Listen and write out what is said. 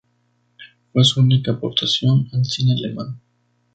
Fue su única aportación al cine alemán.